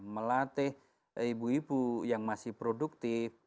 melatih ibu ibu yang masih produktif